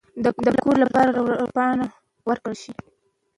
د کور لپاره عرض پاڼه ورکړل شي.